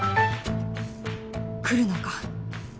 くるのか？